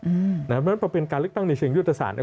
เพราะฉะนั้นพอเป็นการเลือกตั้งในเชิงยุทธศาสตร์